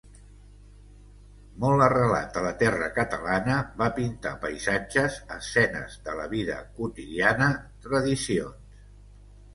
Molt arrelat a la terra catalana, va pintar paisatges, escenes de la vida quotidiana, tradicions.